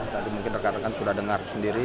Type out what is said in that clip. tadi mungkin rekan rekan sudah dengar sendiri